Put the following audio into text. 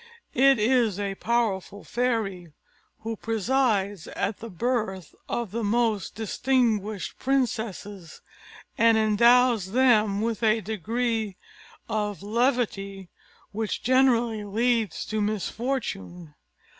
It is a powerful fairy, who presides at the birth of the most distinguished princesses, and endows them with a degree of levity which generally leads to misfortune.